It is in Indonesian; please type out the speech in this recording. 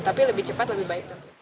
tapi lebih cepat lebih baik